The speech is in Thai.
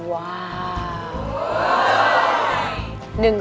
ว้าว